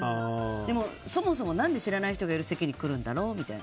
でも、そもそも何で知らない人がいる席に来るんだろうみたいな。